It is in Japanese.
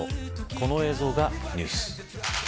この映像がニュース。